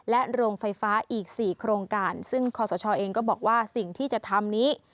โรงไฟฟ้าอีก๔โครงการซึ่งคอสชเองก็บอกว่าสิ่งที่จะทำนี้